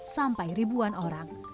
sampai ribuan orang